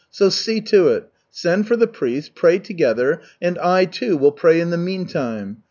So see to it. Send for the priest, pray together, and I, too, will pray in the meantime.